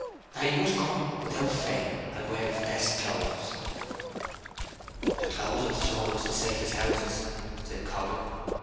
"That he must come without fail, and wear his best clothes." "The clothes will floor us as safe as houses!" said Coggan.